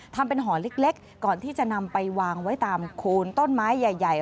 ทำเป็นห่อเล็กก่อนที่จะนำไปวางไว้ตามโคนต้นไม้ใหญ่